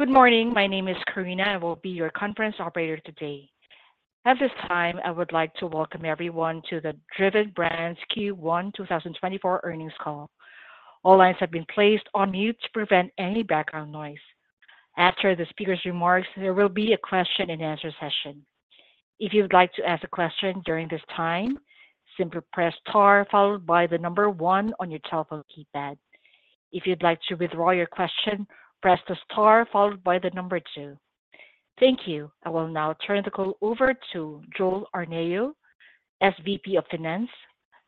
Good morning. My name is Karina, I will be your conference operator today. At this time, I would like to welcome everyone to the Driven Brands Q1 2024 Earnings Call. All lines have been placed on mute to prevent any background noise. After the speaker's remarks, there will be a question-and-answer session. If you'd like to ask a question during this time, simply press star followed by the number one on your telephone keypad. If you'd like to withdraw your question, press the star followed by the number two. Thank you. I will now turn the call over to Joel Arnao, SVP of Finance.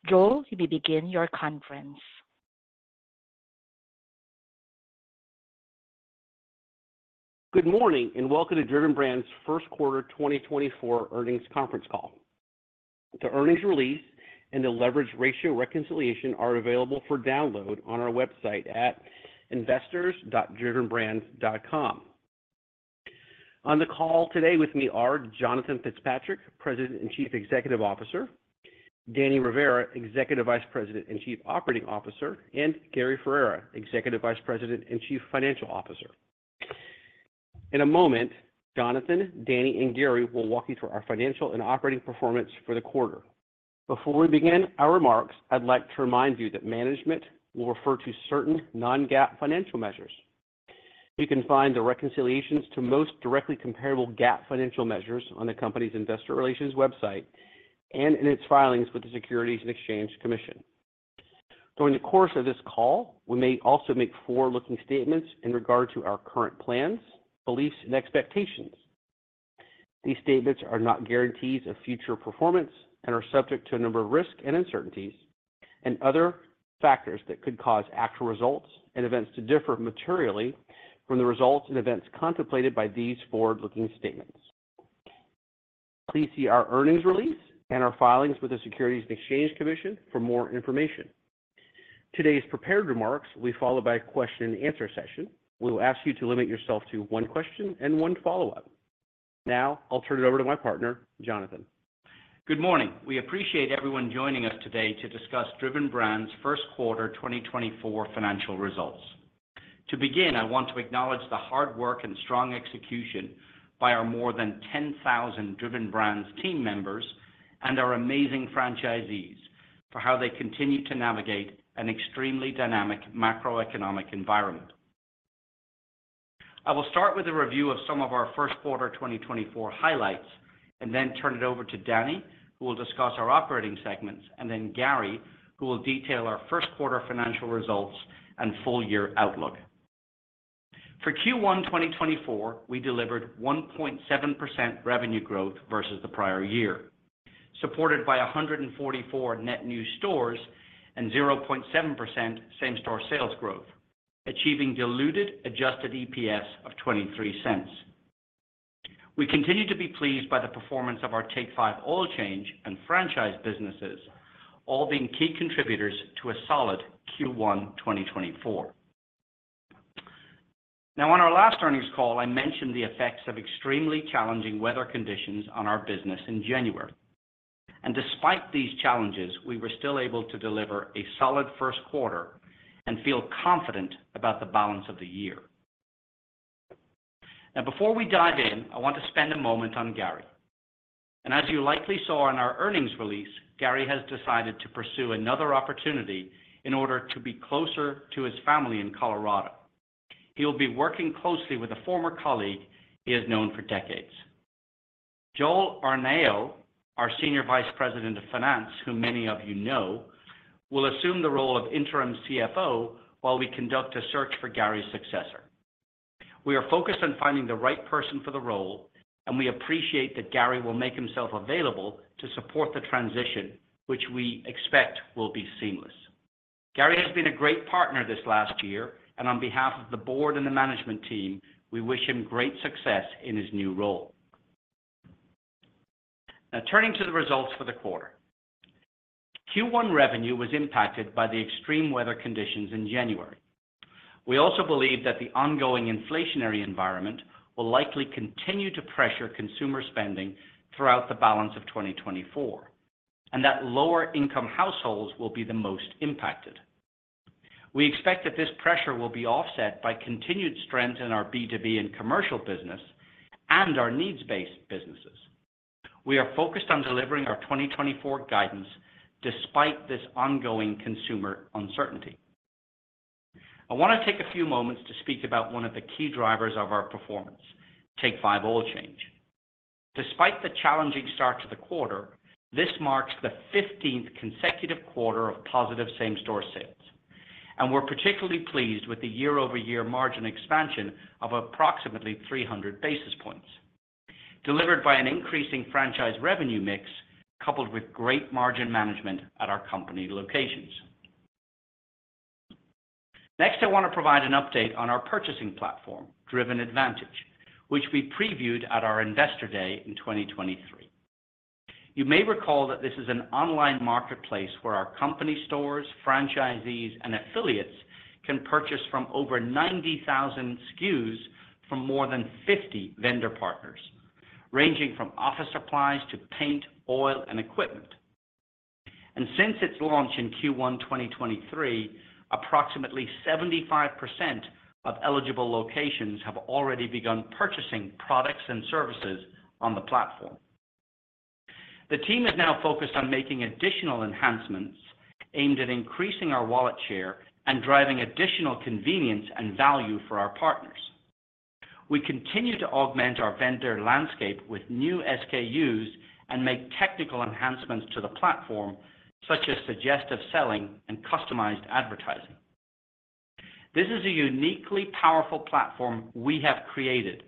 Joel, you may begin your conference. Good morning, and welcome to Driven Brands' First Quarter 2024 Earnings Conference Call. The earnings release and the leverage ratio reconciliation are available for download on our website at investors.drivenbrands.com. On the call today with me are Jonathan Fitzpatrick, President and Chief Executive Officer; Danny Rivera, Executive Vice President and Chief Operating Officer; and Gary Ferrera, Executive Vice President and Chief Financial Officer. In a moment, Jonathan, Danny, and Gary will walk you through our financial and operating performance for the quarter. Before we begin our remarks, I'd like to remind you that management will refer to certain non-GAAP financial measures. You can find the reconciliations to most directly comparable GAAP financial measures on the company's investor relations website and in its filings with the Securities and Exchange Commission. During the course of this call, we may also make forward-looking statements in regard to our current plans, beliefs, and expectations. These statements are not guarantees of future performance and are subject to a number of risks and uncertainties, and other factors that could cause actual results and events to differ materially from the results and events contemplated by these forward-looking statements. Please see our earnings release and our filings with the Securities and Exchange Commission for more information. Today's prepared remarks will be followed by a question-and -answer session. We will ask you to limit yourself to one question and one follow-up. Now, I'll turn it over to my partner, Jonathan. Good morning. We appreciate everyone joining us today to discuss Driven Brands' first quarter 2024 financial results. To begin, I want to acknowledge the hard work and strong execution by our more than 10,000 Driven Brands team members and our amazing franchisees for how they continue to navigate an extremely dynamic macroeconomic environment. I will start with a review of some of our first quarter 2024 highlights, and then turn it over to Danny, who will discuss our operating segments, and then Gary, who will detail our first quarter financial results and full year outlook. For Q1 2024, we delivered 1.7% revenue growth versus the prior year, supported by 144 net new stores and 0.7% same-store sales growth, achieving diluted adjusted EPS of $0.23. We continue to be pleased by the performance of our Take 5 Oil Change and franchise businesses, all being key contributors to a solid Q1 2024. Now, on our last earnings call, I mentioned the effects of extremely challenging weather conditions on our business in January, and despite these challenges, we were still able to deliver a solid first quarter and feel confident about the balance of the year. Now, before we dive in, I want to spend a moment on Gary, and as you likely saw in our earnings release, Gary has decided to pursue another opportunity in order to be closer to his family in Colorado. He will be working closely with a former colleague he has known for decades. Joel Arnao, our Senior Vice President of Finance, who many of you know, will assume the role of interim CFO while we conduct a search for Gary's successor. We are focused on finding the right person for the role, and we appreciate that Gary will make himself available to support the transition, which we expect will be seamless. Gary has been a great partner this last year, and on behalf of the board and the management team, we wish him great success in his new role. Now, turning to the results for the quarter. Q1 revenue was impacted by the extreme weather conditions in January. We also believe that the ongoing inflationary environment will likely continue to pressure consumer spending throughout the balance of 2024, and that lower income households will be the most impacted. We expect that this pressure will be offset by continued strength in our B2B and commercial business and our needs-based businesses. We are focused on delivering our 2024 guidance despite this ongoing consumer uncertainty. I want to take a few moments to speak about one of the key drivers of our performance, Take 5 Oil Change. Despite the challenging start to the quarter, this marks the 15th consecutive quarter of positive same-store sales, and we're particularly pleased with the year-over-year margin expansion of approximately 300 basis points, delivered by an increasing franchise revenue mix, coupled with great margin management at our company locations. Next, I want to provide an update on our purchasing platform, Driven Advantage, which we previewed at our Investor Day in 2023. You may recall that this is an online marketplace where our company stores, franchisees, and affiliates can purchase from over 90,000 SKUs from more than 50 vendor partners, ranging from office supplies to paint, oil, and equipment. Since its launch in Q1 2023, approximately 75% of eligible locations have already begun purchasing products and services on the platform. The team is now focused on making additional enhancements aimed at increasing our wallet share and driving additional convenience and value for our partners. We continue to augment our vendor landscape with new SKUs and make technical enhancements to the platform, such as suggestive selling and customized advertising. This is a uniquely powerful platform we have created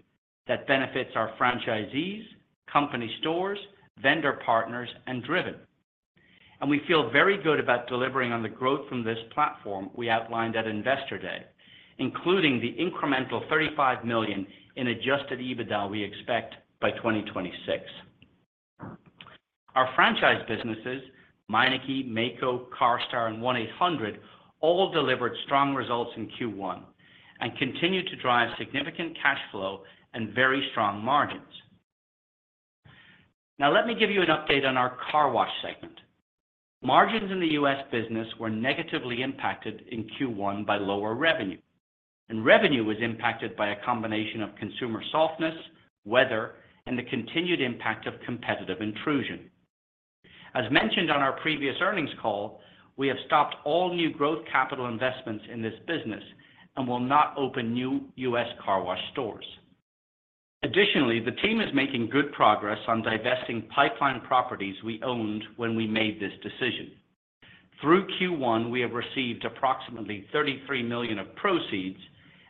that benefits our franchisees, company stores, vendor partners, and Driven, and we feel very good about delivering on the growth from this platform we outlined at Investor Day, including the incremental $35 million in adjusted EBITDA we expect by 2026. Our franchise businesses, Meineke, Maaco, CARSTAR, and 1-800, all delivered strong results in Q1 and continue to drive significant cash flow and very strong margins. Now, let me give you an update on our Car Wash segment. Margins in the U.S. business were negatively impacted in Q1 by lower revenue, and revenue was impacted by a combination of consumer softness, weather, and the continued impact of competitive intrusion. As mentioned on our previous earnings call, we have stopped all new growth capital investments in this business and will not open new U.S. car wash stores. Additionally, the team is making good progress on divesting pipeline properties we owned when we made this decision. Through Q1, we have received approximately $33 million of proceeds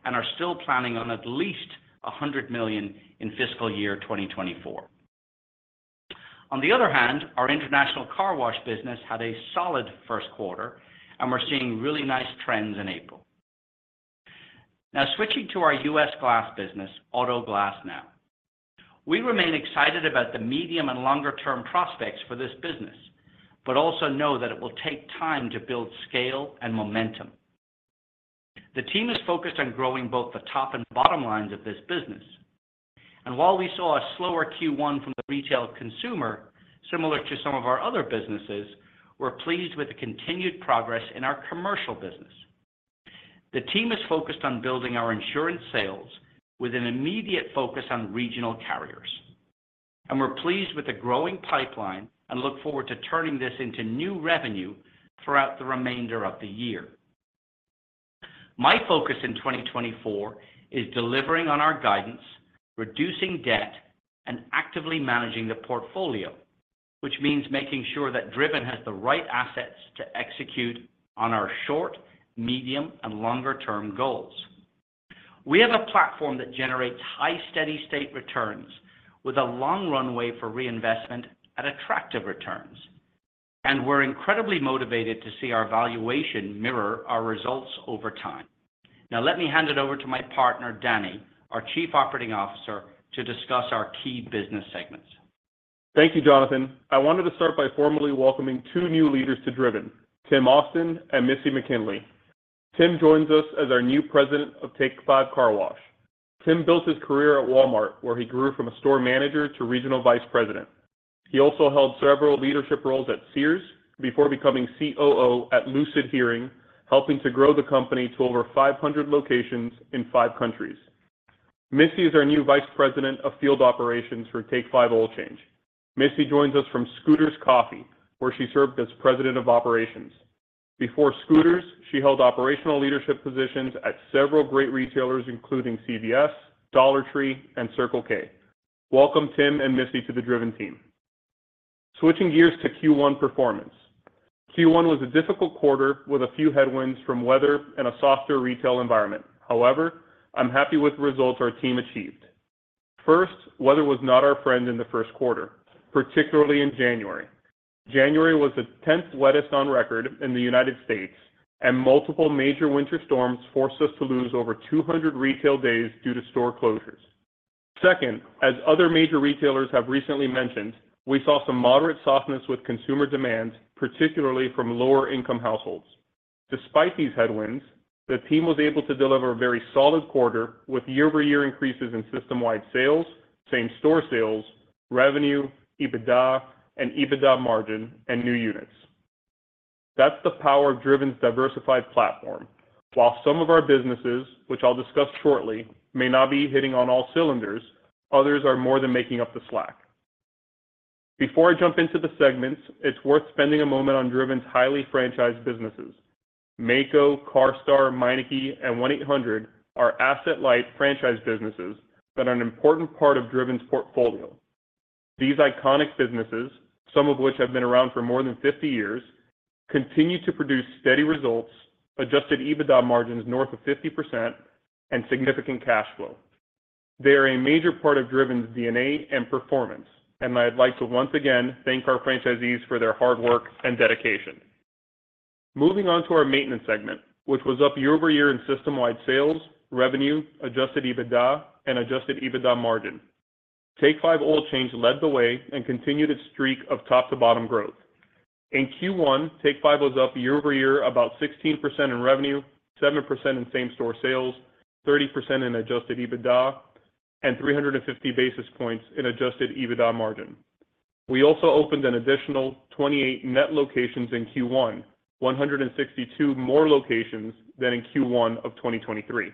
and are still planning on at least $100 million in fiscal year 2024. On the other hand, our international Car Wash business had a solid first quarter, and we're seeing really nice trends in April. Now, switching to our U.S. glass business, Auto Glass Now. We remain excited about the medium and longer-term prospects for this business, but also know that it will take time to build scale and momentum. The team is focused on growing both the top and bottom lines of this business, and while we saw a slower Q1 from the retail consumer, similar to some of our other businesses, we're pleased with the continued progress in our commercial business. The team is focused on building our insurance sales with an immediate focus on regional carriers, and we're pleased with the growing pipeline and look forward to turning this into new revenue throughout the remainder of the year. My focus in 2024 is delivering on our guidance, reducing debt, and actively managing the portfolio, which means making sure that Driven has the right assets to execute on our short, medium, and longer term goals. We have a platform that generates high, steady state returns with a long runway for reinvestment at attractive returns, and we're incredibly motivated to see our valuation mirror our results over time. Now, let me hand it over to my partner, Danny, our Chief Operating Officer, to discuss our key business segments. Thank you, Jonathan. I wanted to start by formally welcoming two new leaders to Driven, Tim Austin and Missy McKinley. Tim joins us as our new President of Take 5 Car Wash. Tim built his career at Walmart, where he grew from a store manager to Regional Vice President. He also held several leadership roles at Sears before becoming COO at Lucid Hearing, helping to grow the company to over 500 locations in five countries. Missy is our new Vice President of Field Operations for Take 5 Oil Change. Missy joins us from Scooter's Coffee, where she served as President of Operations. Before Scooter's, she held operational leadership positions at several great retailers, including CVS, Dollar Tree, and Circle K. Welcome, Tim and Missy, to the Driven team. Switching gears to Q1 performance. Q1 was a difficult quarter with a few headwinds from weather and a softer retail environment. However, I'm happy with the results our team achieved. First, weather was not our friend in the first quarter, particularly in January. January was the tenth wettest on record in the United States, and multiple major winter storms forced us to lose over 200 retail days due to store closures. Second, as other major retailers have recently mentioned, we saw some moderate softness with consumer demand, particularly from lower-income households. Despite these headwinds, the team was able to deliver a very solid quarter with year-over-year increases in system-wide sales, same-store sales, revenue, EBITDA and EBITDA margin, and new units. That's the power of Driven's diversified platform. While some of our businesses, which I'll discuss shortly, may not be hitting on all cylinders, others are more than making up the slack. Before I jump into the segments, it's worth spending a moment on Driven's highly franchised businesses. Maaco, CARSTAR, Meineke, and 1-800 are asset-light franchise businesses that are an important part of Driven's portfolio. These iconic businesses, some of which have been around for more than 50 years, continue to produce steady results, adjusted-EBITDA margins north of 50%, and significant cash flow. They are a major part of Driven's DNA and performance, and I'd like to once again thank our franchisees for their hard work and dedication. Moving on to our Maintenance segment, which was up year-over-year in system-wide sales, revenue, adjusted EBITDA, and adjusted-EBITDA margin. Take 5 Oil Change led the way and continued its streak of top-to-bottom growth. In Q1, Take 5 was up year-over-year, about 16% in revenue, 7% in same-store sales, 30% in adjusted EBITDA, and 350 basis points in adjusted-EBITDA margin. We also opened an additional 28 net locations in Q1, 162 more locations than in Q1 of 2023.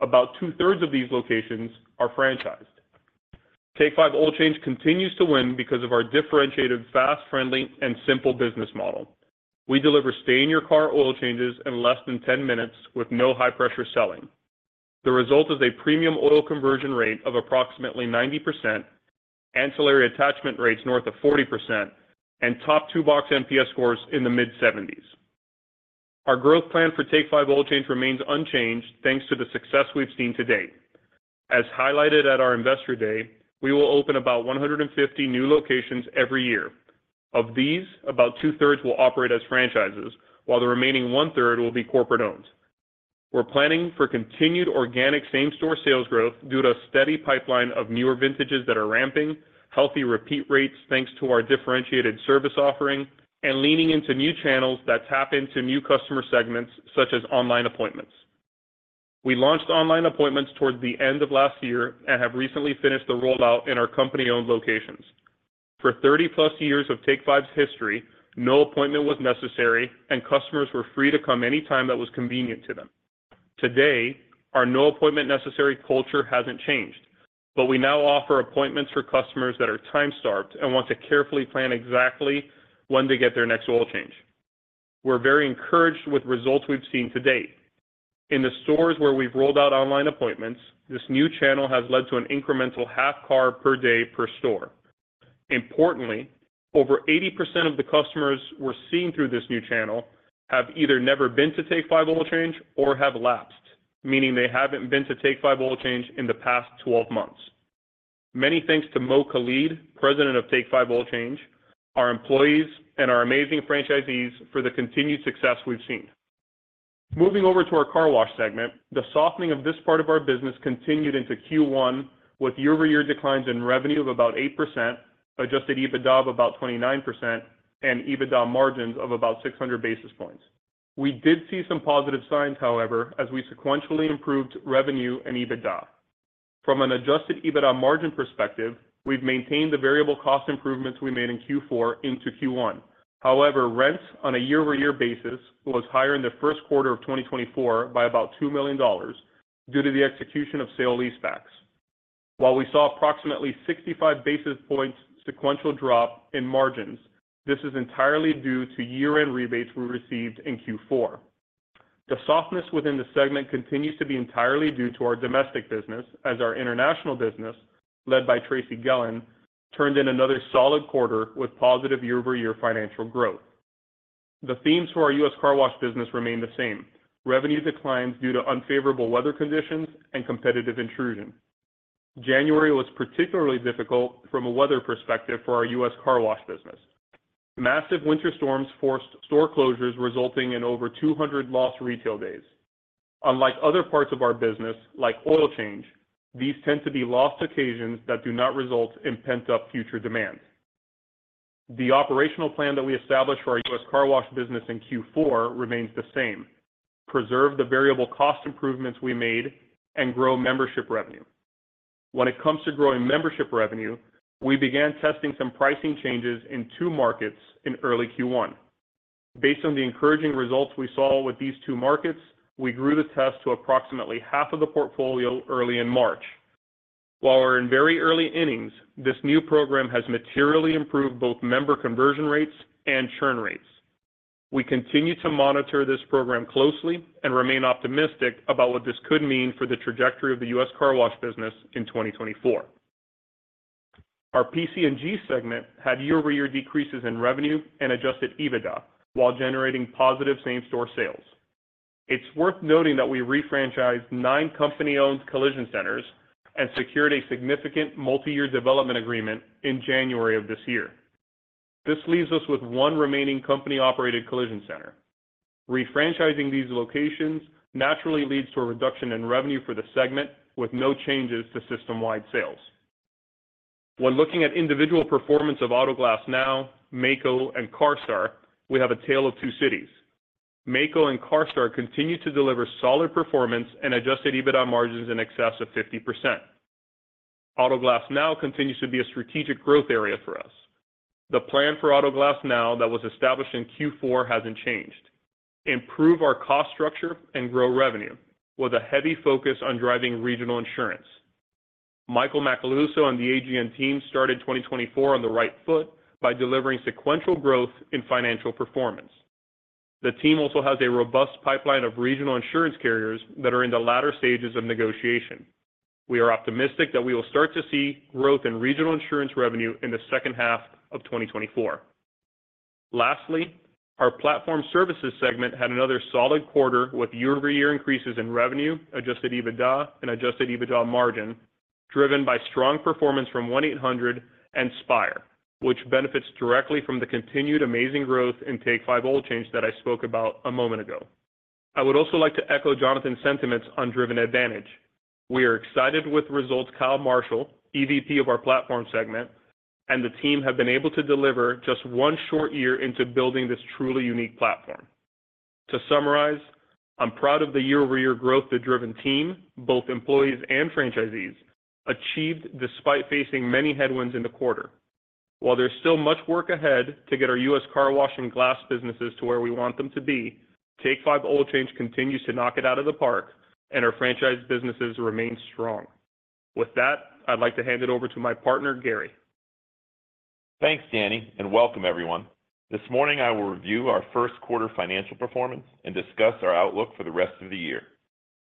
About two-thirds of these locations are franchised. Take 5 Oil Change continues to win because of our differentiated, fast, friendly, and simple business model. We deliver stay-in-your-car oil changes in less than 10 minutes with no high-pressure selling. The result is a premium oil conversion rate of approximately 90%, ancillary attachment rates north of 40%, and top-two-box NPS scores in the mid-70s. Our growth plan for Take 5 Oil Change remains unchanged, thanks to the success we've seen to date. As highlighted at our Investor Day, we will open about 150 new locations every year. Of these, about two-thirds will operate as franchises, while the remaining one-third will be corporate-owned. We're planning for continued organic same-store sales growth due to a steady pipeline of newer vintages that are ramping, healthy repeat rates, thanks to our differentiated service offering, and leaning into new channels that tap into new customer segments, such as online appointments. We launched online appointments towards the end of last year and have recently finished the rollout in our company-owned locations. For 30+ years of Take 5's history, no appointment was necessary, and customers were free to come anytime that was convenient to them. Today, our no-appointment necessary culture hasn't changed, but we now offer appointments for customers that are time-starved and want to carefully plan exactly when to get their next oil change. We're very encouraged with results we've seen to date. In the stores where we've rolled out online appointments, this new channel has led to an incremental half car per day per store. Importantly, over 80% of the customers we're seeing through this new channel have either never been to Take 5 Oil Change or have lapsed, meaning they haven't been to Take 5 Oil Change in the past 12 months. Many thanks to Mo Khalid, President of Take 5 Oil Change, our employees, and our amazing franchisees for the continued success we've seen. Moving over to our Car Wash segment, the softening of this part of our business continued into Q1, with year-over-year declines in revenue of about 8%, adjusted EBITDA of about 29%, and EBITDA margins of about 600 basis points. We did see some positive signs, however, as we sequentially improved revenue and EBITDA. From an adjusted-EBITDA-margin perspective, we've maintained the variable cost improvements we made in Q4 into Q1. However, rent on a year-over-year basis was higher in the first quarter of 2024 by about $2 million due to the execution of sale leasebacks. While we saw approximately 65 basis points sequential drop in margins, this is entirely due to year-end rebates we received in Q4. The softness within the segment continues to be entirely due to our domestic business, as our international business, led by Tracy Gehlan, turned in another solid quarter with positive year-over-year financial growth. The themes for our U.S. Car Wash business remain the same: revenue declines due to unfavorable weather conditions and competitive intrusion. January was particularly difficult from a weather perspective for our U.S. Car Wash business. Massive winter storms forced store closures, resulting in over 200 lost retail days. Unlike other parts of our business, like oil change, these tend to be lost occasions that do not result in pent-up future demand. The operational plan that we established for our U.S. Car Wash business in Q4 remains the same: preserve the variable cost improvements we made and grow membership revenue. When it comes to growing membership revenue, we began testing some pricing changes in two markets in early Q1. Based on the encouraging results we saw with these two markets, we grew the test to approximately half of the portfolio early in March. While we're in very early innings, this new program has materially improved both member conversion rates and churn rates. We continue to monitor this program closely and remain optimistic about what this could mean for the trajectory of the U.S. Car Wash business in 2024. Our PC&G segment had year-over-year decreases in revenue and adjusted EBITDA while generating positive same-store sales. It's worth noting that we refranchised nine company-owned collision centers and secured a significant multi-year development agreement in January of this year. This leaves us with one remaining company-operated collision center. Refranchising these locations naturally leads to a reduction in revenue for the segment with no changes to system-wide sales. When looking at individual performance of Auto Glass Now, Maaco, and CARSTAR, we have a tale of two cities. Maaco and CARSTAR continue to deliver solid performance and adjusted-EBITDA margins in excess of 50%. Auto Glass Now continues to be a strategic growth area for us. The plan for Auto Glass Now that was established in Q4 hasn't changed. Improve our cost structure and grow revenue with a heavy focus on driving regional insurance. Michael Macaluso and the AGN team started 2024 on the right foot by delivering sequential growth in financial performance. The team also has a robust pipeline of regional insurance carriers that are in the latter stages of negotiation. We are optimistic that we will start to see growth in regional insurance revenue in the second half of 2024. Lastly, our Platform Services segment had another solid quarter with year-over-year increases in revenue, adjusted EBITDA, and adjusted-EBITDA margin, driven by strong performance from 1-800 and Spire, which benefits directly from the continued amazing growth in Take 5 Oil Change that I spoke about a moment ago. I would also like to echo Jonathan's sentiments on Driven Advantage. We are excited with the results Kyle Marshall, EVP of our Platform segment, and the team have been able to deliver just one short year into building this truly unique platform. To summarize, I'm proud of the year-over-year growth the Driven team, both employees and franchisees, achieved despite facing many headwinds in the quarter. While there's still much work ahead to get our U.S. Car Wash and Glass businesses to where we want them to be, Take 5 Oil Change continues to knock it out of the park, and our franchise businesses remain strong. With that, I'd like to hand it over to my partner, Gary. Thanks, Danny, and welcome everyone. This morning, I will review our first quarter financial performance and discuss our outlook for the rest of the year.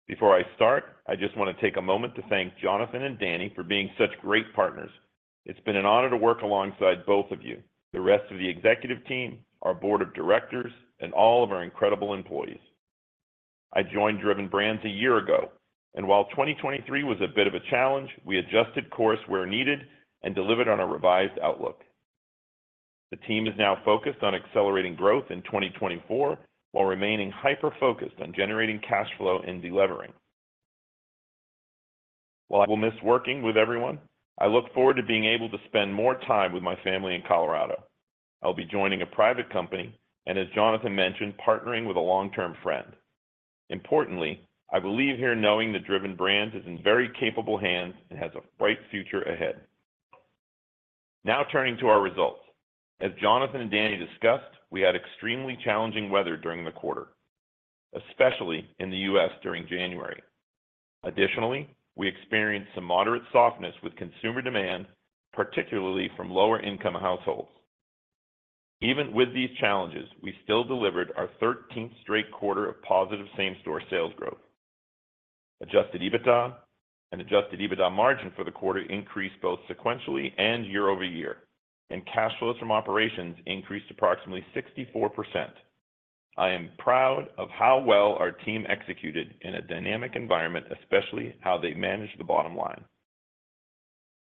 Before I start, I just want to take a moment to thank Jonathan and Danny for being such great partners. It's been an honor to work alongside both of you, the rest of the executive team, our Board of Directors, and all of our incredible employees. I joined Driven Brands a year ago, and while 2023 was a bit of a challenge, we adjusted course where needed and delivered on a revised outlook. The team is now focused on accelerating growth in 2024, while remaining hyper-focused on generating cash flow and delevering. While I will miss working with everyone, I look forward to being able to spend more time with my family in Colorado. I'll be joining a private company, and as Jonathan mentioned, partnering with a long-term friend. Importantly, I will leave here knowing that Driven Brands is in very capable hands and has a bright future ahead. Now, turning to our results. As Jonathan and Danny discussed, we had extremely challenging weather during the quarter, especially in the U.S. during January. Additionally, we experienced some moderate softness with consumer demand, particularly from lower-income households. Even with these challenges, we still delivered our 13th straight quarter of positive same-store sales growth. Adjusted EBITDA and adjusted-EBITDA margin for the quarter increased both sequentially and year-over-year, and cash flows from operations increased approximately 64%. I am proud of how well our team executed in a dynamic environment, especially how they managed the bottom line.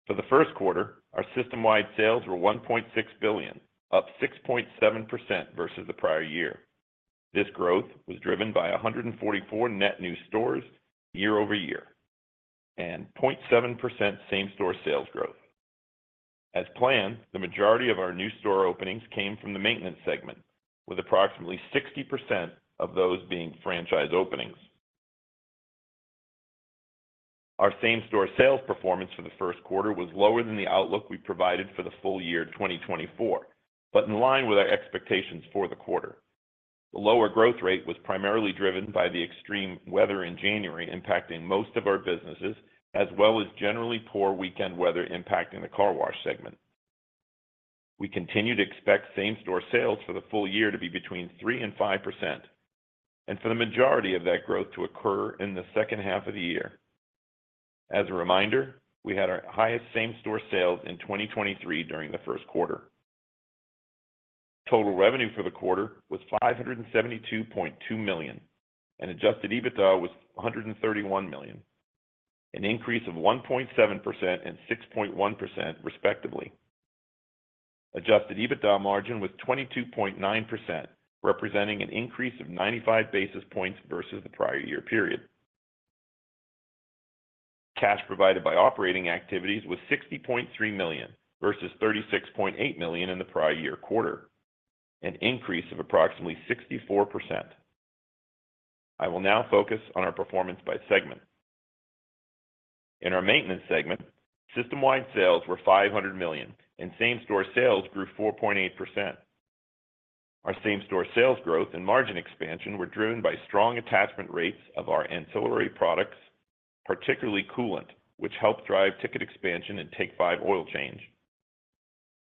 For the first quarter, our system-wide sales were $1.6 billion, up 6.7% versus the prior year. This growth was driven by 144 net new stores year-over-year and 0.7% same-store sales growth. As planned, the majority of our new store openings came from the Maintenance segment, with approximately 60% of those being franchise openings. Our same-store sales performance for the first quarter was lower than the outlook we provided for the full year 2024, but in line with our expectations for the quarter. The lower growth rate was primarily driven by the extreme weather in January, impacting most of our businesses, as well as generally poor weekend weather impacting the Car Wash segment. We continue to expect same-store sales for the full year to be between 3% and 5%, and for the majority of that growth to occur in the second half of the year. As a reminder, we had our highest same-store sales in 2023 during the first quarter. Total revenue for the quarter was $572.2 million, and adjusted EBITDA was $131 million, an increase of 1.7% and 6.1%, respectively. Adjusted-EBITDA margin was 22.9%, representing an increase of 95 basis points versus the prior-year period. Cash provided by operating activities was $60.3 million versus $36.8 million in the prior-year quarter, an increase of approximately 64%. I will now focus on our performance by segment. In our Maintenance segment, system-wide sales were $500 million, and same-store sales grew 4.8%. Our same-store sales growth and margin expansion were driven by strong attachment rates of our ancillary products, particularly coolant, which helped drive ticket expansion and Take 5 Oil Change.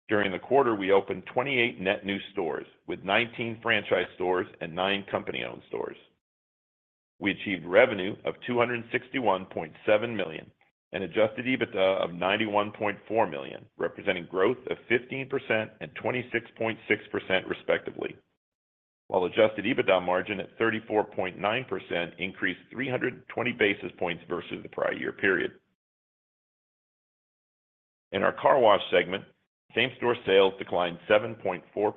During the quarter, we opened 28 net new stores, with 19 franchise stores and nine company-owned stores. We achieved revenue of $261.7 million and adjusted EBITDA of $91.4 million, representing growth of 15% and 26.6%, respectively, while adjusted-EBITDA margin at 34.9% increased 320 basis points versus the prior-year period. In our Car Wash segment, same-store sales declined 7.4%.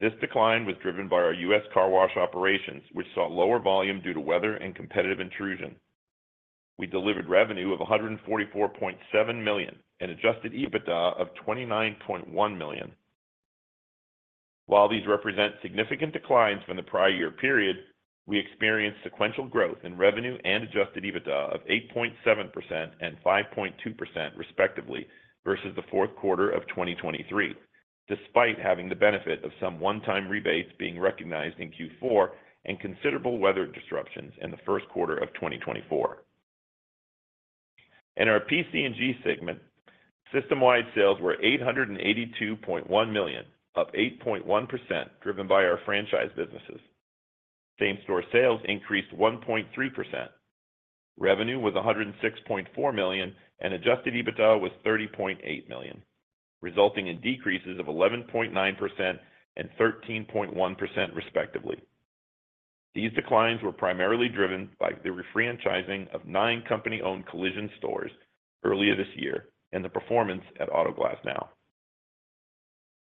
This decline was driven by our U.S. Car Wash operations, which saw lower volume due to weather and competitive intrusion. We delivered revenue of $144.7 million and adjusted EBITDA of $29.1 million. While these represent significant declines from the prior-year period, we experienced sequential growth in revenue and adjusted EBITDA of 8.7% and 5.2%, respectively, versus the fourth quarter of 2023, despite having the benefit of some one-time rebates being recognized in Q4 and considerable weather disruptions in the first quarter of 2024. In our PC&G segment, system-wide sales were $882.1 million, up 8.1%, driven by our franchise businesses. Same-store sales increased 1.3%. Revenue was $106.4 million, and adjusted EBITDA was $30.8 million, resulting in decreases of 11.9% and 13.1%, respectively. These declines were primarily driven by the refranchising of nine company-owned collision stores earlier this year and the performance at Auto Glass Now.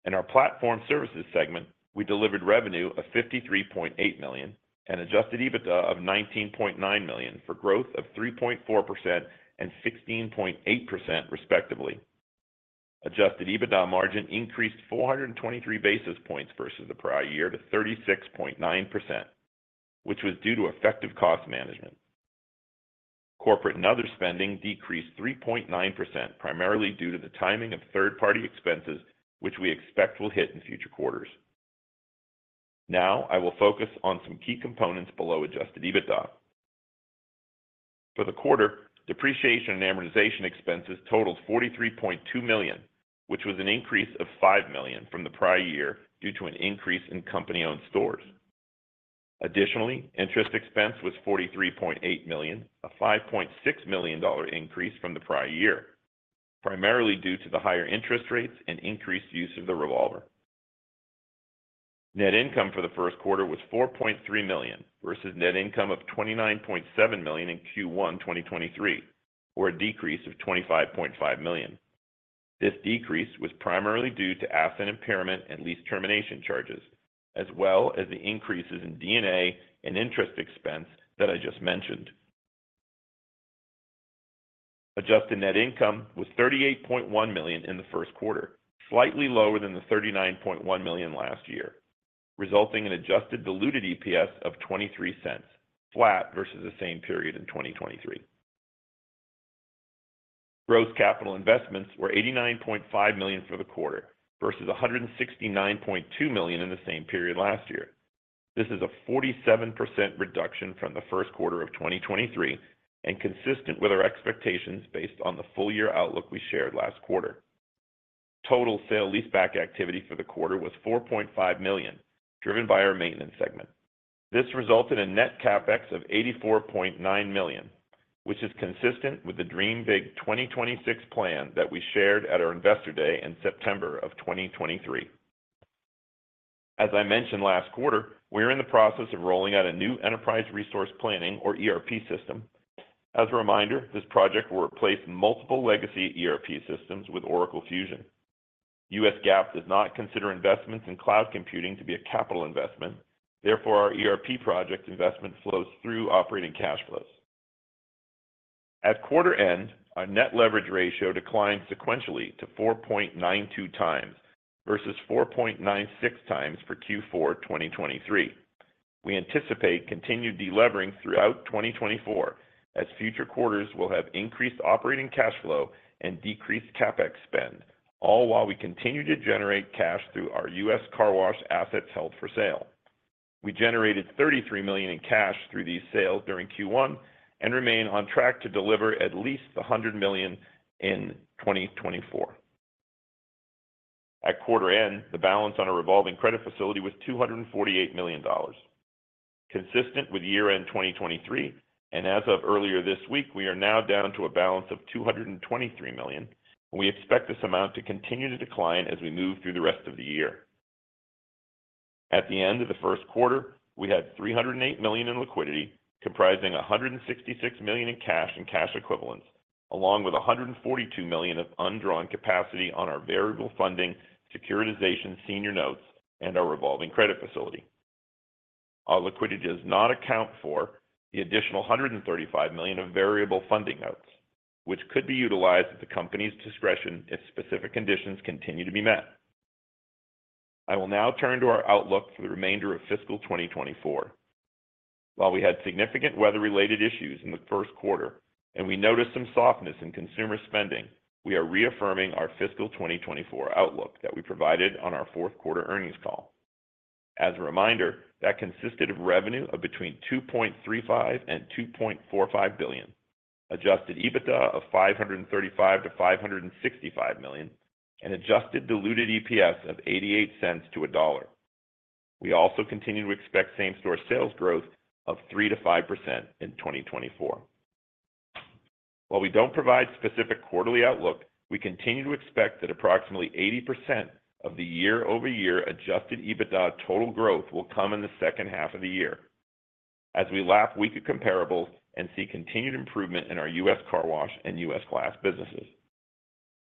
In our Platform Services segment, we delivered revenue of $53.8 million and adjusted EBITDA of $19.9 million, for growth of 3.4% and 16.8%, respectively. Adjusted-EBITDA margin increased 423 basis points versus the prior year to 36.9%, which was due to effective cost management. Corporate and other spending decreased 3.9%, primarily due to the timing of third-party expenses, which we expect will hit in future quarters. Now, I will focus on some key components below adjusted EBITDA. For the quarter, depreciation and amortization expenses totaled $43.2 million, which was an increase of $5 million from the prior year due to an increase in company-owned stores. Additionally, interest expense was $43.8 million, a $5.6 million increase from the prior year, primarily due to the higher interest rates and increased use of the revolver. Net income for the first quarter was $4.3 million versus net income of $29.7 million in Q1 2023, or a decrease of $25.5 million. This decrease was primarily due to asset impairment and lease termination charges, as well as the increases in D&A and interest expense that I just mentioned. Adjusted net income was $38.1 million in the first quarter, slightly lower than the $39.1 million last year, resulting in adjusted diluted EPS of $0.23, flat versus the same period in 2023. Gross capital investments were $89.5 million for the quarter versus $169.2 million in the same period last year. This is a 47% reduction from the first quarter of 2023 and consistent with our expectations based on the full-year outlook we shared last quarter. Total sale leaseback activity for the quarter was $4.5 million, driven by our Maintenance segment. This resulted in net CapEx of $84.9 million, which is consistent with the Dream Big 2026 plan that we shared at our Investor Day in September of 2023. As I mentioned last quarter, we are in the process of rolling out a new enterprise resource planning, or ERP, system. As a reminder, this project will replace multiple legacy ERP systems with Oracle Fusion. U.S. GAAP does not consider investments in cloud computing to be a capital investment, therefore, our ERP project investment flows through operating cash flows. At quarter end, our net leverage ratio declined sequentially to 4.92x versus 4.96x for Q4 2023. We anticipate continued delevering throughout 2024 as future quarters will have increased operating cash flow and decreased CapEx spend, all while we continue to generate cash through our U.S. Car Wash assets held for sale. We generated $33 million in cash through these sales during Q1 and remain on track to deliver at least $100 million in 2024. At quarter end, the balance on a revolving credit facility was $248 million, consistent with year-end 2023, and as of earlier this week, we are now down to a balance of $223 million. We expect this amount to continue to decline as we move through the rest of the year. At the end of the first quarter, we had $308 million in liquidity, comprising $166 million in cash and cash equivalents, along with $142 million of undrawn capacity on our variable funding, securitization senior notes, and our revolving credit facility. Our liquidity does not account for the additional $135 million of variable funding notes, which could be utilized at the company's discretion if specific conditions continue to be met. I will now turn to our outlook for the remainder of fiscal 2024. While we had significant weather-related issues in the first quarter, and we noticed some softness in consumer spending, we are reaffirming our fiscal 2024 outlook that we provided on our fourth quarter earnings call. As a reminder, that consisted of revenue of between $2.35 billion and $2.45 billion, adjusted EBITDA of $535 million-$565 million, and adjusted diluted EPS of $0.88-$1.00. We also continue to expect same-store sales growth of 3%-5% in 2024. While we don't provide specific quarterly outlook, we continue to expect that approximately 80% of the year-over-year adjusted EBITDA total growth will come in the second half of the year as we lap weaker comparables and see continued improvement in our U.S. Car Wash and U.S. Glass businesses.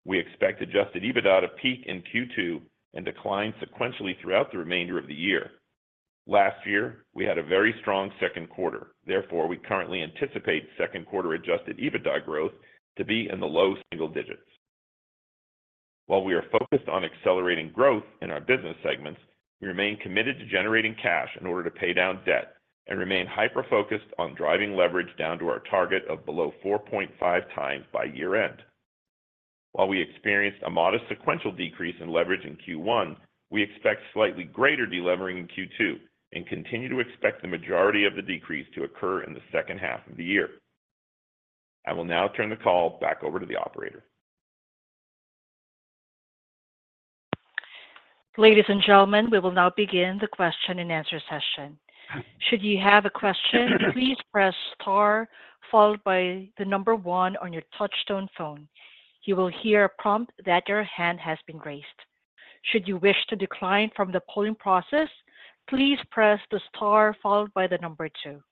We expect adjusted EBITDA to peak in Q2 and decline sequentially throughout the remainder of the year. Last year, we had a very strong second quarter. Therefore, we currently anticipate second quarter adjusted EBITDA growth to be in the low single-digits. While we are focused on accelerating growth in our business segments, we remain committed to generating cash in order to pay down debt and remain hyper-focused on driving leverage down to our target of below 4.5x by year-end. While we experienced a modest sequential decrease in leverage in Q1, we expect slightly greater delevering in Q2 and continue to expect the majority of the decrease to occur in the second half of the year. I will now turn the call back over to the operator. Ladies and gentlemen, we will now begin the question-and-answer session. Should you have a question, please press star followed by the number one on your touchtone phone. You will hear a prompt that your hand has been raised. Should you wish to decline from the polling process, please press the star followed by the number two.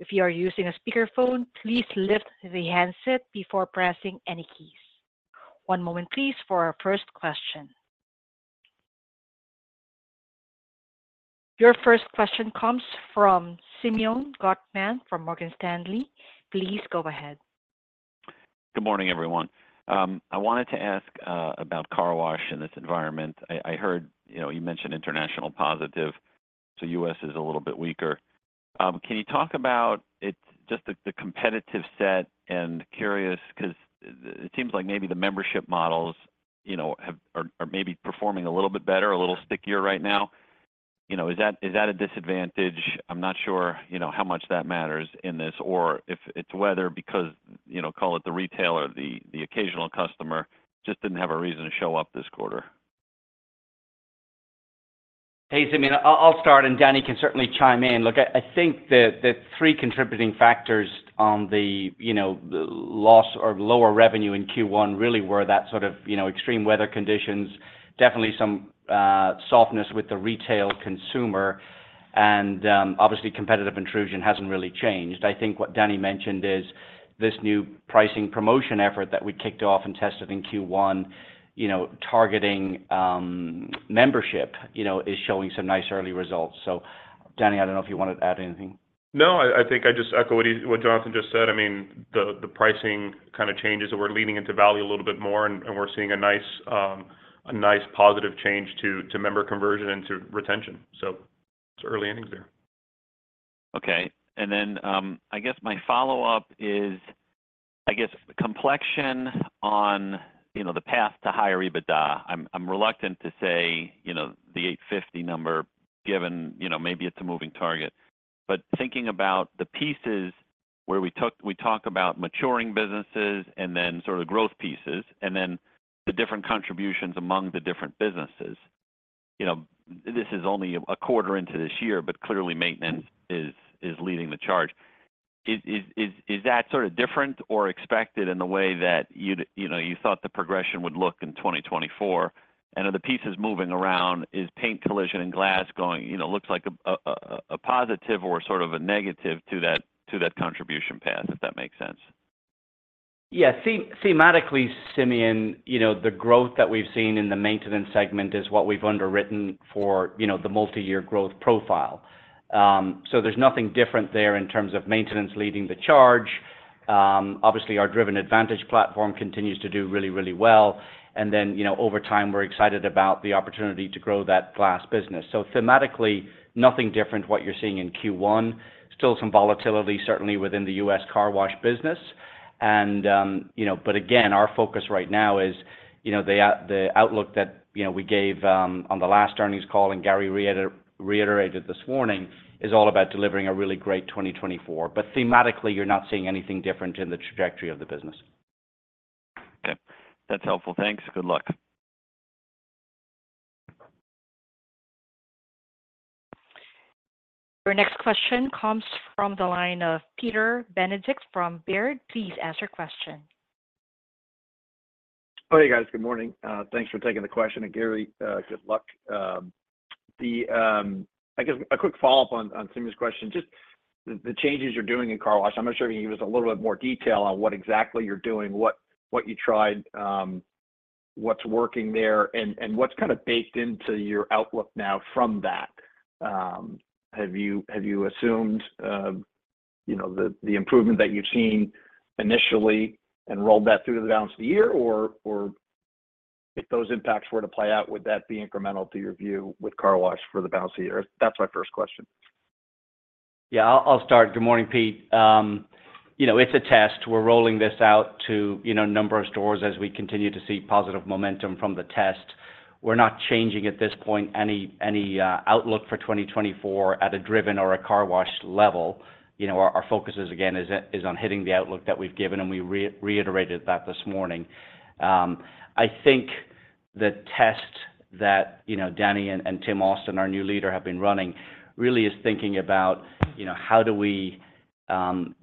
If you are using a speakerphone, please lift the handset before pressing any keys. One moment please, for our first question.... Your first question comes from Simeon Gutman from Morgan Stanley. Please go ahead. Good morning, everyone. I wanted to ask about Car Wash in this environment. I heard, you know, you mentioned international positive, so U.S. is a little bit weaker. Can you talk about it—just the competitive set and curious, 'cause it seems like maybe the membership models, you know, have—are maybe performing a little bit better, a little stickier right now. You know, is that a disadvantage? I'm not sure, you know, how much that matters in this, or if it's whether because, you know, call it the retailer, the occasional customer just didn't have a reason to show up this quarter. Hey, Simeon. I'll start, and Danny can certainly chime in. Look, I think the three contributing factors on the, you know, the loss or lower revenue in Q1 really were that sort of, you know, extreme weather conditions, definitely some softness with the retail consumer, and obviously, competitive intrusion hasn't really changed. I think what Danny mentioned is this new pricing promotion effort that we kicked off and tested in Q1, you know, targeting membership, you know, is showing some nice early results. So Danny, I don't know if you want to add anything. No, I think I just echo what Jonathan just said. I mean, the pricing kind of changes that we're leaning into value a little bit more, and we're seeing a nice, a nice positive change to member conversion and to retention. So it's early innings there. Okay. And then, I guess my follow-up is, I guess, complexion on, you know, the path to higher EBITDA. I'm reluctant to say, you know, the 850 number, given, you know, maybe it's a moving target. But thinking about the pieces where we talk about maturing businesses and then sort of growth pieces, and then the different contributions among the different businesses. You know, this is only a quarter into this year, but clearly maintenance is leading the charge. Is that sort of different or expected in the way that you'd, you know, you thought the progression would look in 2024? And are the pieces moving around? Is Paint, Collision, and Glass going, you know, looks like a positive or sort of a negative to that, to that contribution path, if that makes sense? Yeah. Thematically, Simeon, you know, the growth that we've seen in the Maintenance segment is what we've underwritten for, you know, the multi-year growth profile. So there's nothing different there in terms of Maintenance leading the charge. Obviously, our Driven Advantage platform continues to do really, really well. And then, you know, over time, we're excited about the opportunity to grow that glass business. So thematically, nothing different what you're seeing in Q1. Still some volatility, certainly within the U.S. Car Wash business. And, you know, but again, our focus right now is, you know, the outlook that, you know, we gave on the last earnings call and Gary reiterated this morning, is all about delivering a really great 2024. But thematically, you're not seeing anything different in the trajectory of the business. Okay. That's helpful. Thanks. Good luck. Your next question comes from the line of Peter Benedict from Baird. Please ask your question. Oh, hey, guys. Good morning. Thanks for taking the question, and Gary, good luck. I guess a quick follow-up on Simeon's question, just the changes you're doing in car wash. I'm not sure if you can give us a little bit more detail on what exactly you're doing, what you tried, what's working there, and what's kind of baked into your outlook now from that? Have you assumed, you know, the improvement that you've seen initially and rolled that through the balance of the year? Or, if those impacts were to play out, would that be incremental to your view with car wash for the balance of the year? That's my first question. Yeah, I'll start. Good morning, Pete. You know, it's a test. We're rolling this out to, you know, a number of stores as we continue to see positive momentum from the test. We're not changing, at this point, any outlook for 2024 at a Driven or a Car Wash-level. You know, our focus is, again, on hitting the outlook that we've given, and we reiterated that this morning. I think the test that, you know, Danny and Tim Austin, our new leader, have been running, really is thinking about, you know, how do we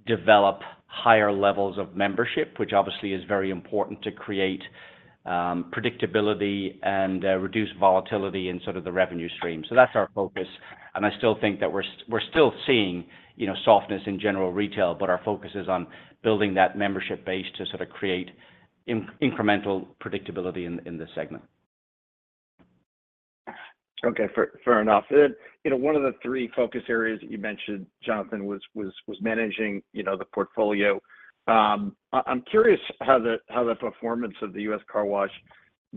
develop higher levels of membership, which obviously is very important to create predictability and reduce volatility in sort of the revenue stream. So that's our focus, and I still think that we're still seeing, you know, softness in general retail, but our focus is on building that membership base to sort of create incremental predictability in this segment. Okay, fair, fair enough. You know, one of the three focus areas that you mentioned, Jonathan, was managing, you know, the portfolio. I'm curious how the performance of the U.S. Car Wash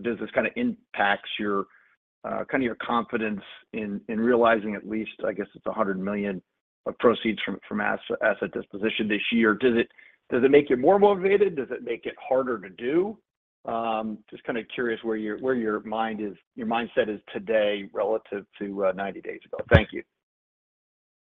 business kind of impacts your kind of your confidence in realizing at least, I guess, $100 million of proceeds from asset disposition this year. Does it make you more motivated? Does it make it harder to do? Just kind of curious where your mind is - your mindset is today relative to 90 days ago. Thank you.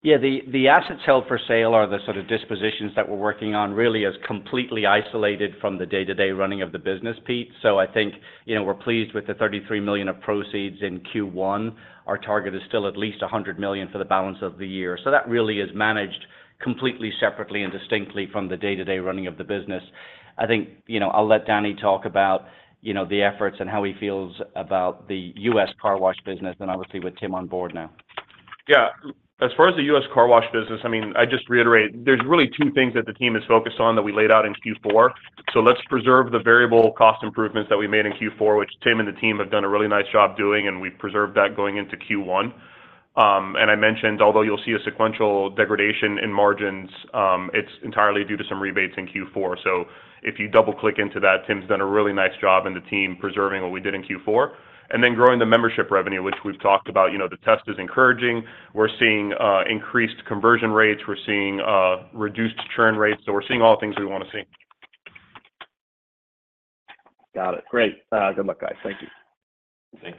Yeah, the assets held for sale or the sort of dispositions that we're working on really is completely isolated from the day-to-day running of the business, Pete. So I think, you know, we're pleased with the $33 million of proceeds in Q1. Our target is still at least $100 million for the balance of the year. So that really is managed completely separately and distinctly from the day-to-day running of the business. I think, you know, I'll let Danny talk about, you know, the efforts and how he feels about the U.S. Car Wash business, and obviously, with Tim on board now. Yeah. As far as the U.S. Car Wash business, I mean, I just reiterate, there's really two things that the team is focused on that we laid out in Q4. So let's preserve the variable cost improvements that we made in Q4, which Tim and the team have done a really nice job doing, and we preserved that going into Q1. I mentioned, although you'll see a sequential degradation in margins, it's entirely due to some rebates in Q4. So if you double-click into that, Tim's done a really nice job, and the team, preserving what we did in Q4, and then growing the membership revenue, which we've talked about, you know, the test is encouraging. We're seeing increased conversion rates, we're seeing reduced churn rates, so we're seeing all the things we wanna see. Got it. Great. Good luck, guys. Thank you. Thanks.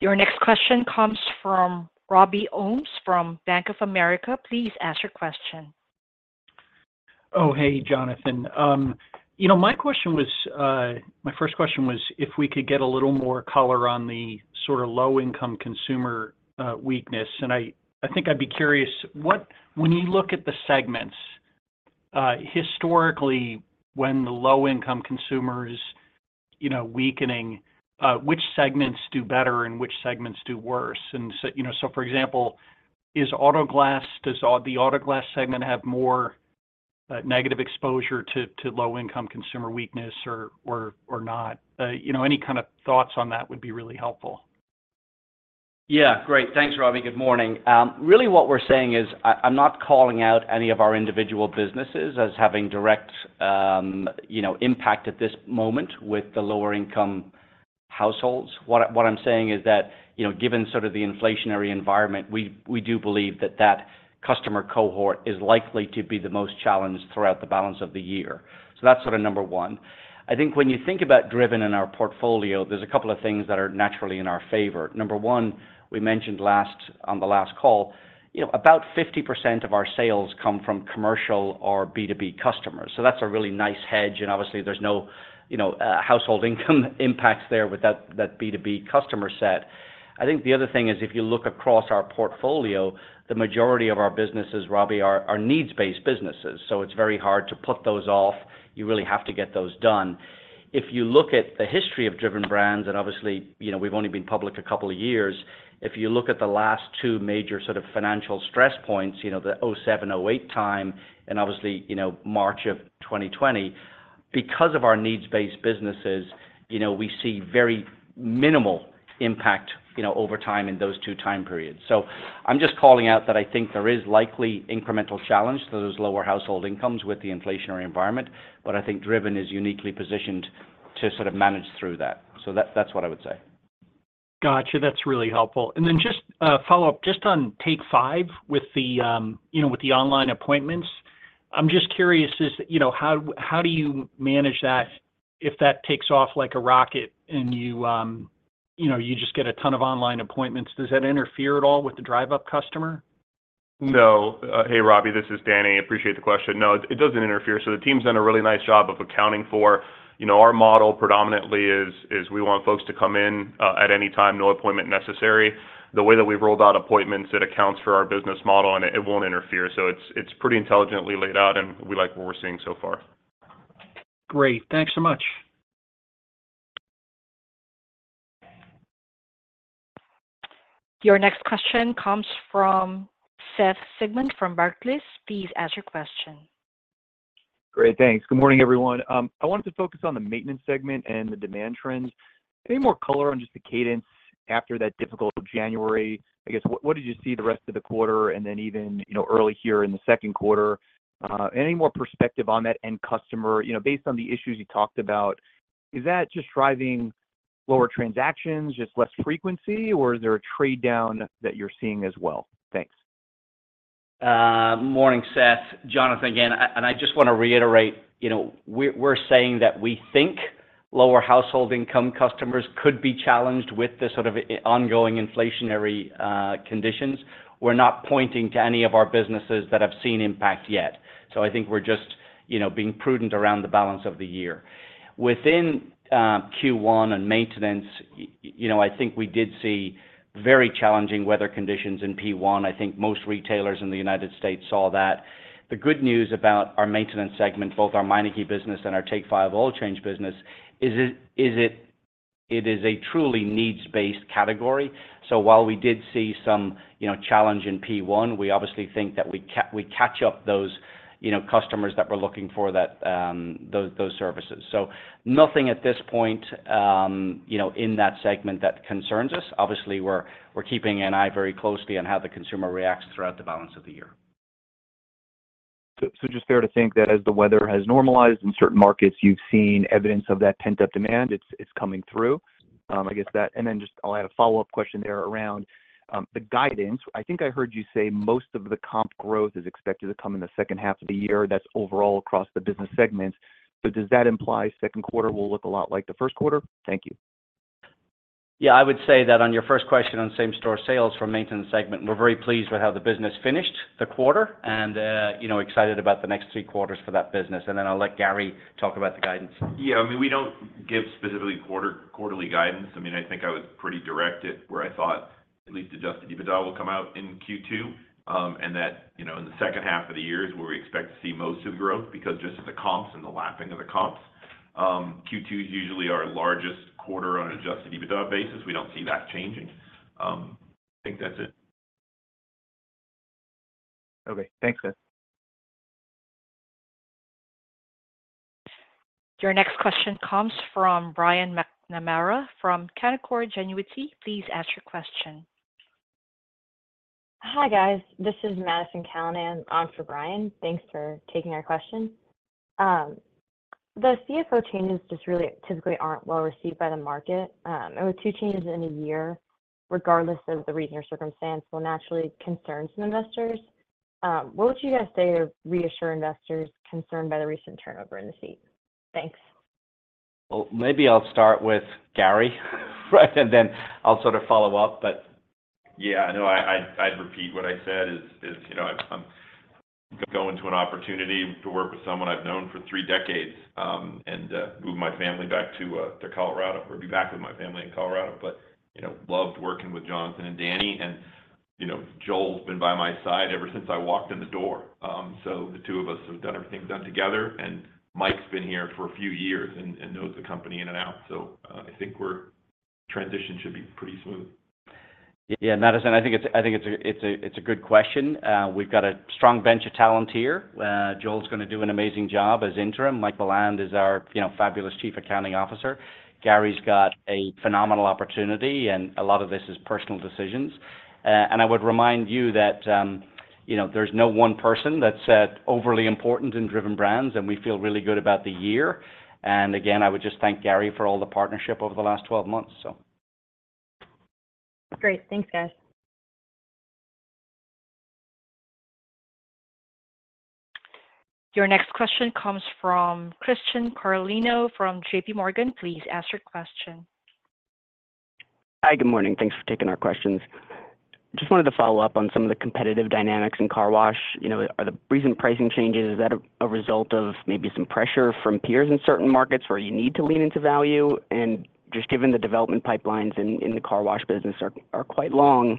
Your next question comes from Robbie Ohmes from Bank of America. Please ask your question. Oh, hey, Jonathan. You know, my question was, my first question was, if we could get a little more color on the sort of low-income consumer weakness, and I, I think I'd be curious, what - when you look at the segments, historically, when the low-income consumer is, you know, weakening, which segments do better and which segments do worse? And so, you know, so for example, is Auto Glass - does the Auto Glass segment have more negative exposure to low-income consumer weakness or not? You know, any kind of thoughts on that would be really helpful. Yeah, great. Thanks, Robbie. Good morning. Really what we're saying is, I, I'm not calling out any of our individual businesses as having direct, you know, impact at this moment with the lower income households. What, what I'm saying is that, you know, given sort of the inflationary environment, we, we do believe that that customer cohort is likely to be the most challenged throughout the balance of the year. So that's sort of number one. I think when you think about Driven in our portfolio, there's a couple of things that are naturally in our favor. Number one, we mentioned last, on the last call, you know, about 50% of our sales come from commercial or B2B customers. So that's a really nice hedge, and obviously there's no, you know, household income impacts there with that, that B2B customer set. I think the other thing is, if you look across our portfolio, the majority of our businesses, Robbie, are needs-based businesses, so it's very hard to put those off. You really have to get those done. If you look at the history of Driven Brands, and obviously, you know, we've only been public a couple of years, if you look at the last two major sort of financial stress points, you know, the 2007-2008 time and obviously, you know, March of 2020, because of our needs-based businesses, you know, we see very minimal impact, you know, over time in those two time periods. So I'm just calling out that I think there is likely incremental challenge to those lower household incomes with the inflationary environment, but I think Driven is uniquely-positioned to sort of manage through that. So that's, that's what I would say. Gotcha, that's really helpful. Then just a follow-up, just on Take 5, with the, you know, with the online appointments. I'm just curious as to, you know, how do you manage that if that takes off like a rocket and you, you know, you just get a ton of online appointments, does that interfere at all with the drive-up customer? No. Hey, Robbie, this is Danny. I appreciate the question. No, it doesn't interfere. So the team's done a really nice job of accounting for... You know, our model predominantly is we want folks to come in at any time, no appointment necessary. The way that we've rolled out appointments, it accounts for our business model, and it won't interfere. So it's pretty intelligently laid out, and we like what we're seeing so far. Great. Thanks so much. Your next question comes from Seth Sigman from Barclays. Please ask your question. Great. Thanks. Good morning, everyone. I wanted to focus on the Maintenance segment and the demand trends. Any more color on just the cadence after that difficult January? I guess, what, what did you see the rest of the quarter and then even, you know, early here in the second quarter? Any more perspective on that end customer, you know, based on the issues you talked about, is that just driving lower transactions, just less frequency, or is there a trade-down that you're seeing as well? Thanks. Morning, Seth. Jonathan, again, and I just want to reiterate, you know, we're, we're saying that we think lower household income customers could be challenged with the sort of ongoing inflationary, uh, conditions. We're not pointing to any of our businesses that have seen impact yet. So I think we're just, you know, being prudent around the balance of the year. Within, uh, Q1 and maintenance, you know, I think we did see very challenging weather conditions in Q1. I think most retailers in the United States saw that. The good news about our Maintenance segment, both our Meineke business and our Take 5 Oil Change business, is it is a truly needs-based category. So while we did see some, you know, challenge in P1, we obviously think that we catch up those, you know, customers that were looking for that, those services. So nothing at this point, you know, in that segment that concerns us. Obviously, we're keeping an eye very closely on how the consumer reacts throughout the balance of the year. So, is it fair to think that as the weather has normalized in certain markets, you've seen evidence of that pent-up demand, it's coming through, I guess that. And then just I'll add a follow-up question there around the guidance. I think I heard you say most of the comp growth is expected to come in the second half of the year. That's overall across the business segments, but does that imply second quarter will look a lot like the first quarter? Thank you. Yeah, I would say that on your first question, on same-store sales from Maintenance segment, we're very pleased with how the business finished the quarter and, you know, excited about the next three quarters for that business. And then I'll let Gary talk about the guidance. Yeah, I mean, we don't give specifically quarterly guidance. I mean, I think I was pretty direct at where I thought at least adjusted EBITDA will come out in Q2. And that, you know, in the second half of the year is where we expect to see most of the growth, because just as the comps and the lapping of the comps, Q2 is usually our largest quarter on an adjusted-EBITDA basis. We don't see that changing. I think that's it. Okay. Thanks, guys. Your next question comes from Brian McNamara from Canaccord Genuity. Please ask your question. Hi, guys. This is Madison Callinan, on for Brian. Thanks for taking our question. The CFO changes just really typically aren't well-received by the market. With two changes in a year, regardless of the reason or circumstance, will naturally concern some investors. What would you guys say to reassure investors concerned by the recent turnover in the seat? Thanks. Well, maybe I'll start with Gary, right? And then I'll sort of follow up, but... Yeah, no, I'd repeat what I said is, you know, I'm going to an opportunity to work with someone I've known for three decades, and move my family back to Colorado, or be back with my family in Colorado. But, you know, loved working with Jonathan and Danny, and, you know, Joel's been by my side ever since I walked in the door. So the two of us have done everything together, and Mike's been here for a few years and knows the company in and out. So, I think the transition should be pretty smooth. Yeah, Madison, I think it's a good question. We've got a strong bench of talent here. Joel's gonna do an amazing job as interim. Mike Beland is our, you know, fabulous Chief Accounting Officer. Gary's got a phenomenal opportunity, and a lot of this is personal decisions. And I would remind you that, you know, there's no one person that's overly important in Driven Brands, and we feel really good about the year. And again, I would just thank Gary for all the partnership over the last 12 months, so... Great. Thanks, guys. Your next question comes from Christian Carlino from JPMorgan. Please ask your question. Hi, good morning. Thanks for taking our questions. Just wanted to follow up on some of the competitive dynamics in car wash. You know, are the recent pricing changes, is that a result of maybe some pressure from peers in certain markets where you need to lean into value? And just given the development pipelines in the Car Wash business are quite long,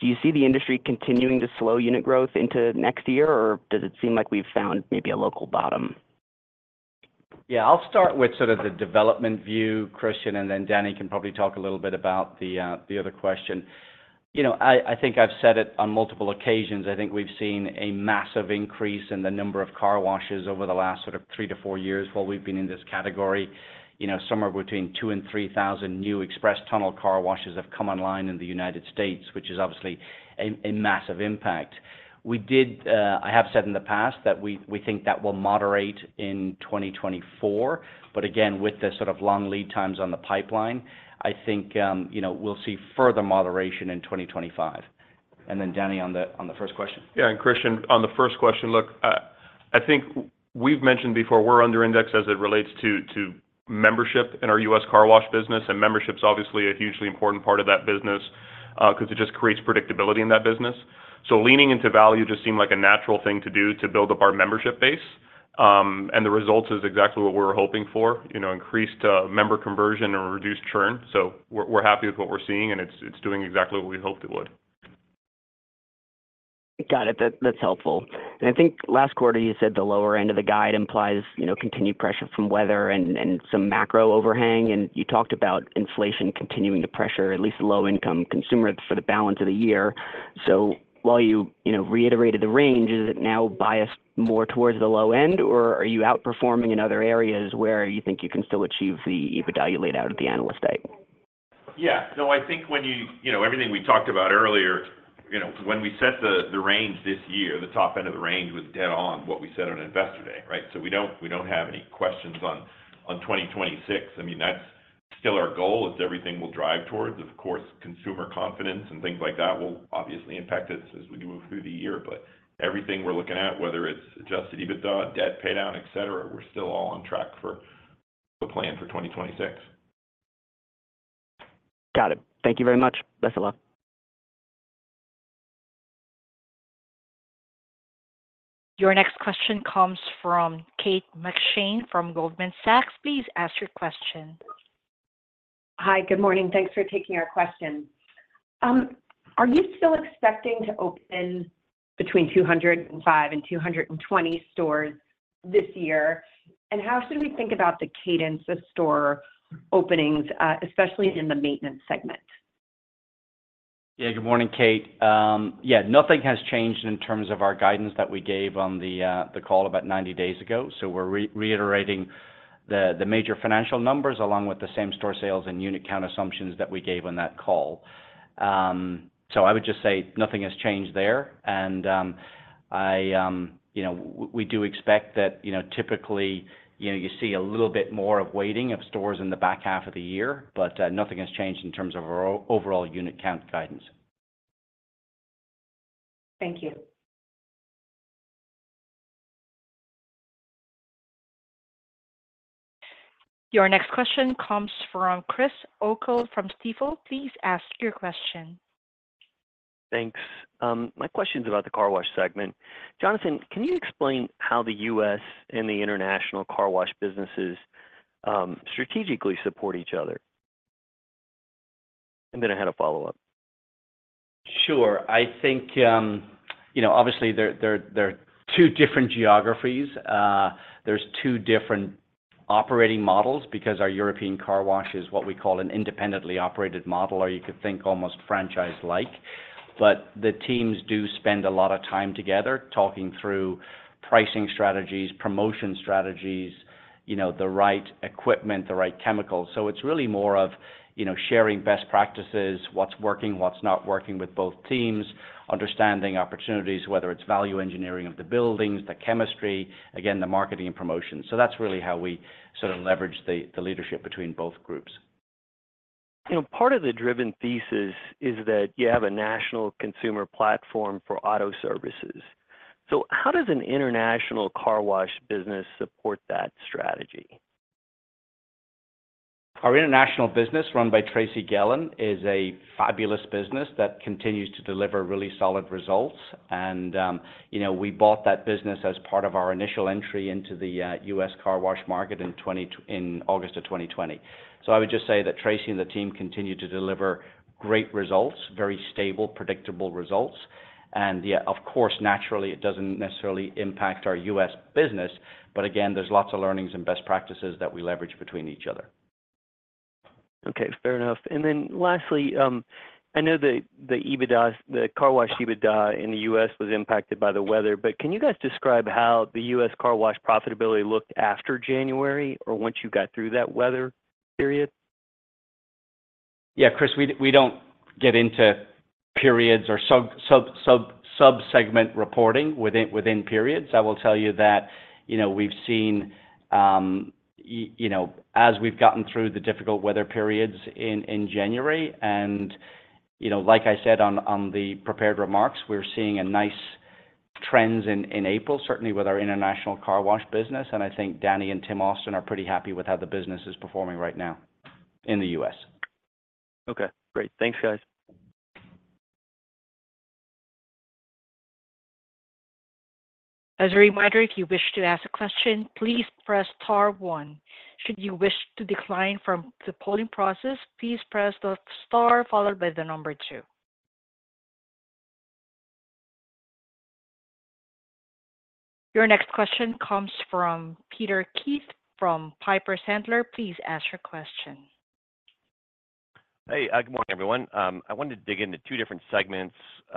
do you see the industry continuing to slow unit growth into next year, or does it seem like we've found maybe a local bottom? Yeah, I'll start with sort of the development view, Christian, and then Danny can probably talk a little bit about the other question. You know, I think I've said it on multiple occasions, I think we've seen a massive increase in the number of car washes over the last sort of three to four years while we've been in this category. You know, somewhere between 2,000 and 3,000 new express tunnel car washes have come online in the United States, which is obviously a massive impact. I have said in the past that we think that will moderate in 2024, but again, with the sort of long lead times on the pipeline, I think, you know, we'll see further moderation in 2025. And then, Danny, on the first question. Yeah, and Christian, on the first question, look, I think we've mentioned before, we're under-indexed as it relates to membership in our U.S. Car Wash business, and membership's obviously a hugely important part of that business, 'cause it just creates predictability in that business. So leaning into value just seemed like a natural thing to do to build up our membership base. And the results is exactly what we were hoping for, you know, increased member conversion and reduced churn. So we're, we're happy with what we're seeing, and it's, it's doing exactly what we hoped it would. Got it. That, that's helpful. I think last quarter, you said the lower-end of the guide implies, you know, continued pressure from weather and some macro overhang, and you talked about inflation continuing to pressure at least low-income consumers for the balance of the year. While you, you know, reiterated the range, is it now biased more towards the low end, or are you outperforming in other areas where you think you can still achieve the EBITDA you laid out at the Analyst Day? Yeah. No, I think when you... You know, everything we talked about earlier, you know, when we set the range this year, the top-end of the range was dead on what we said on Investor Day, right? So we don't have any questions on 2026. I mean, that's still our goal. It's everything we'll drive towards. Of course, consumer confidence and things like that will obviously impact us as we move through the year. But everything we're looking at, whether it's adjusted EBITDA, debt paydown, etc., we're still all on track for the plan for 2026. Got it. Thank you very much. That's all I have. Your next question comes from Kate McShane from Goldman Sachs. Please ask your question. Hi, good morning. Thanks for taking our question. Are you still expecting to open between 205 and 220 stores this year? And how should we think about the cadence of store openings, especially in the Maintenance segment? Yeah. Good morning, Kate. Yeah, nothing has changed in terms of our guidance that we gave on the call about 90 days ago. So we're reiterating the major financial numbers, along with the same-store sales and unit count assumptions that we gave on that call. So I would just say nothing has changed there, and I... You know, we do expect that, you know, typically, you know, you see a little bit more of weighting of stores in the back half of the year, but nothing has changed in terms of our overall unit-count guidance. Thank you. Your next question comes from Chris O'Cull from Stifel. Please ask your question. Thanks. My question's about the Car Wash segment. Jonathan, can you explain how the U.S. and the international Car Wash businesses strategically support each other? And then I had a follow-up. Sure. I think, you know, obviously, they're two different geographies. There's two different operating models, because our European Car Wash is what we call an independently operated model, or you could think almost franchise-like. But the teams do spend a lot of time together talking through pricing strategies, promotion strategies, you know, the right equipment, the right chemicals. So it's really more of, you know, sharing best practices, what's working, what's not working with both teams, understanding opportunities, whether it's value engineering of the buildings, the chemistry, again, the marketing and promotions. So that's really how we sort of leverage the leadership between both groups. You know, part of the Driven thesis is that you have a national consumer platform for auto services. So how does an international Car Wash business support that strategy? Our international business, run by Tracy Gehlan, is a fabulous business that continues to deliver really solid results. And, you know, we bought that business as part of our initial entry into the U.S. Car Wash market in August of 2020. So I would just say that Tracy and the team continue to deliver great results, very stable, predictable results. And yeah, of course, naturally, it doesn't necessarily impact our U.S. business, but again, there's lots of learnings and best practices that we leverage between each other. Okay, fair enough. And then lastly, I know the EBITDA, the Car Wash EBITDA in the U.S. was impacted by the weather, but can you guys describe how the U.S. Car Wash profitability looked after January or once you got through that weather period? Yeah, Chris, we don't get into periods or subsegment reporting within periods. I will tell you that, you know, we've seen, you know, as we've gotten through the difficult weather periods in January, and, you know, like I said, on the prepared remarks, we're seeing a nice trends in April, certainly with our international Car Wash business, and I think Danny and Tim Austin are pretty happy with how the business is performing right now in the U.S.. Okay, great. Thanks, guys. As a reminder, if you wish to ask a question, please press star one. Should you wish to decline from the polling process, please press the star followed by the number two. Your next question comes from Peter Keith from Piper Sandler. Please ask your question. Hey, good morning, everyone. I wanted to dig into two different segments,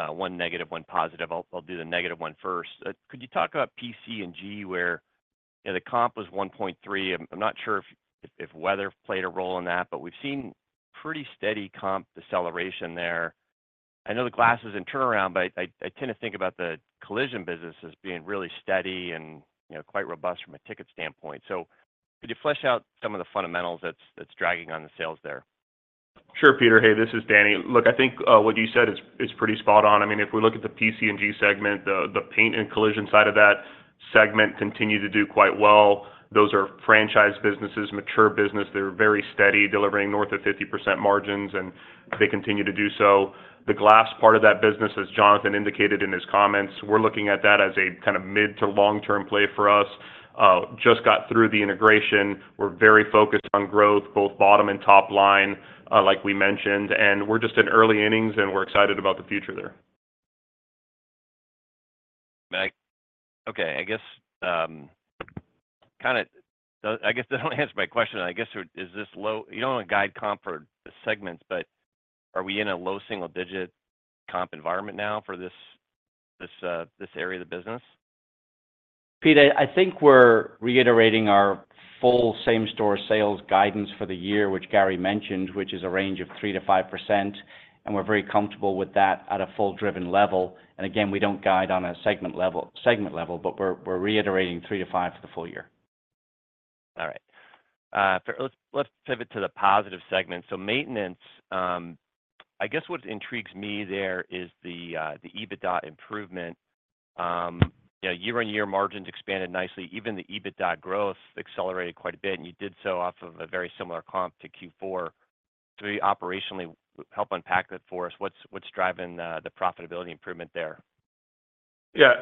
one negative, one positive. I'll do the negative one first. Could you talk about PC&G, where, you know, the comp was 1.3? I'm not sure if weather played a role in that, but we've seen pretty steady comp deceleration there. I know the glass is in turnaround, but I tend to think about the Collision business as being really steady and, you know, quite robust from a ticket standpoint. So could you flesh out some of the fundamentals that's dragging on the sales there? Sure, Peter. Hey, this is Danny. Look, I think what you said is pretty spot on. I mean, if we look at the PC&G segment, the paint and collision side of that segment continues to do quite well. Those are franchise businesses, mature business. They're very steady, delivering north of 50% margins, and they continue to do so. The glass part of that business, as Jonathan indicated in his comments, we're looking at that as a kind of mid- to long-term play for us. Just got through the integration. We're very focused on growth, both bottom- and top-line, like we mentioned, and we're just in early innings, and we're excited about the future there. Okay, I guess that only answers my question, I guess. So is this low—you don't want to guide comp for the segments, but are we in a low single-digit comp environment now for this, this, this area of the business? Peter, I think we're reiterating our full same-store sales guidance for the year, which Gary mentioned, which is a range of 3%-5%, and we're very comfortable with that at a full-Driven level. And again, we don't guide on a segment-level, segment-level, but we're, we're reiterating 3%-5% for the full year. All right. Fair, let's pivot to the positive segment. So maintenance, I guess what intrigues me there is the, the EBITDA improvement. Yeah, year-on-year margins expanded nicely. Even the EBITDA growth accelerated quite a bit, and you did so off of a very similar comp to Q4. So operationally, help unpack that for us. What's, what's driving, the profitability improvement there? Yeah.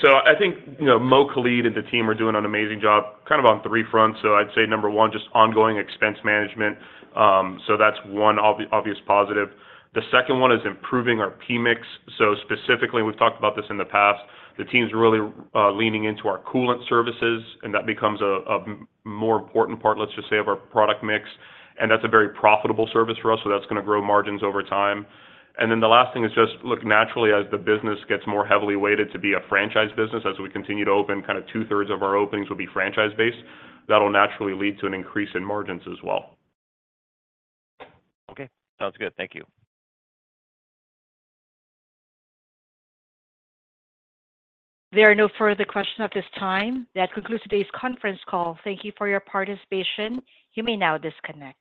So I think, you know, Mo Khalid and the team are doing an amazing job, kind of on three fronts. So I'd say number one, just ongoing expense management. So that's one obvious positive. The second one is improving our product mix. So specifically, we've talked about this in the past, the team's really leaning into our coolant services, and that becomes a more important part, let's just say, of our product mix, and that's a very profitable service for us, so that's gonna grow margins over time. And then the last thing is just, look, naturally, as the business gets more heavily weighted to be a franchise business, as we continue to open, kind of two-thirds of our openings will be franchise-based. That will naturally lead to an increase in margins as well. Okay. Sounds good. Thank you. There are no further questions at this time. That concludes today's conference call. Thank you for your participation. You may now disconnect.